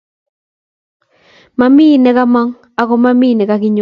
Mamie ne ka mang ak ko mamie ne kakinyor